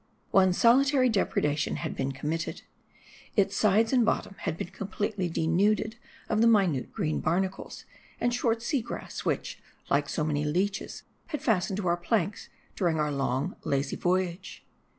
One solitary depredation had been committed. Its sides 214 MARDI. and bottom had been completely denuded of the minute green barnacles, and short sea grass, which, like so many leeches, had fastened to our planks during our long, lazy voyage.